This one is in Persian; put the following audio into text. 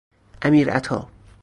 امیرعطا